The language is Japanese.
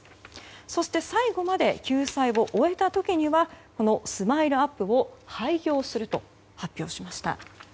そして最後まで救済を終えた時にはＳＭＩＬＥ‐ＵＰ．を廃業すると発表しました。